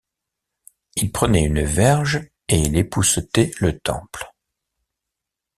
Il prenait une verge et il époussetait le temple.